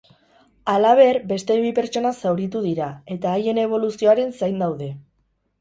Halaber, beste bi pertsona zauritu dira, eta haien eboluzioaren zain daude.